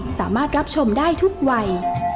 สามารถรับชมได้ทุกวัย